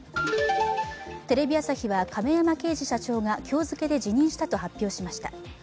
テレビ朝日は亀山慶二社長が今日付けで辞任したと発表しました。